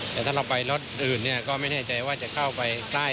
แต่ถ้าเราไปรถอื่นก็ไม่แน่ใจว่าจะเข้าไปใกล้